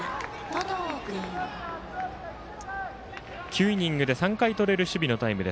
９イニングで３回とれる守備のタイム。